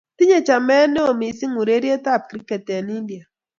Tinyei chameet neo mising urerietab kriket eng india